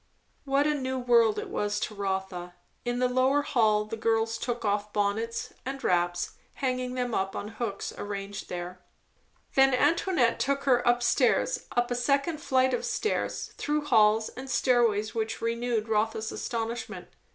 What a new world it was to Rotha! In the lower hall the girls took off bonnets and wraps, hanging them up on hooks arranged there. Then Antoinette took her up stairs, up a second flight of stairs, through halls and stairways which renewed Rotha's astonishment.